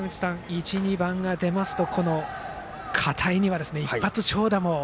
１、２番が出ますと片井には一発長打も。